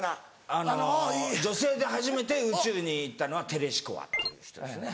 あの女性で初めて宇宙に行ったのはテレシコワっていう人ですね。